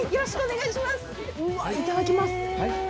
いただきます。